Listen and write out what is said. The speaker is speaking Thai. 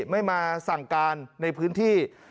ไม่มาสั่งการในพื้นที่